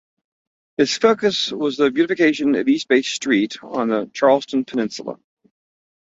His focus was the beautification of East Bay Street on the Charleston peninsula.